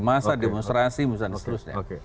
masa demonstrasi dan sebagainya